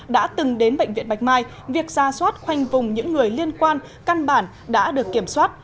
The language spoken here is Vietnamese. đã từng đến bệnh viện bạch mai việc ra soát khoanh vùng những người liên quan căn bản đã được kiểm soát